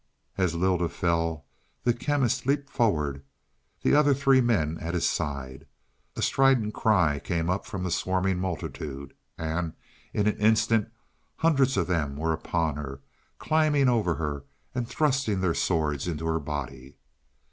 As Lylda fell, the Chemist leaped forward, the other three men at his side. A strident cry came up from the swarming multitude, and in an instant hundreds of them were upon her, climbing over her and thrusting their swords into her body.